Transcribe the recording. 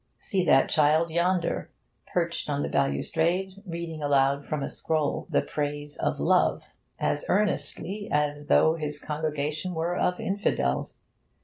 See that child yonder, perched on the balustrade, reading aloud from a scroll the praise of love as earnestly as though his congregation were of infidels.